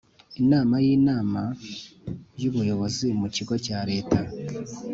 inama y Inama y Ubuyobozi mu Kigo cya leta